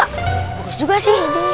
bagus juga sih